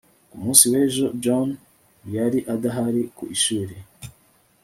ku munsi w'ejo, john yari adahari ku ishuri